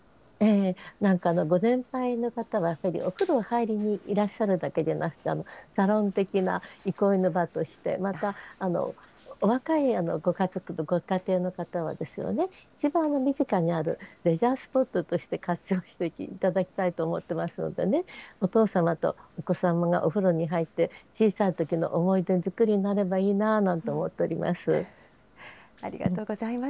なんかご年配の方はやっぱりお風呂入りにいらっしゃるだけでなくて、サロン的な憩いの場として、またお若いご家族、ご家庭の方は、一番身近にあるレジャースポットとして活用していただきたいと思ってますのでね、お父様とお子様がお風呂に入って小さいときの思い出作りになればありがとうございます。